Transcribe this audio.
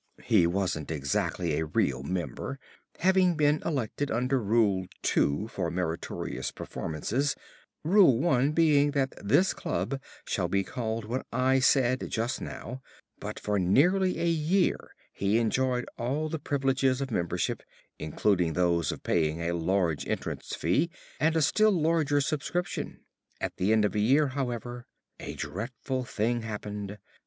He wasn't exactly a real member, having been elected under Rule Two for meritorious performances, Rule One being that this club shall be called what I said just now; but for nearly a year he enjoyed all the privileges of membership, including those of paying a large entrance fee and a still larger subscription. At the end of a year, however, a dreadful thing happened.